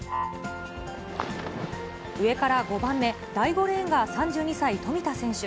上から５番目、第５レーンが、３２歳、富田選手。